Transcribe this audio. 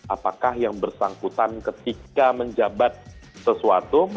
apakah yang bersangkutan ketika menjabat sesuatu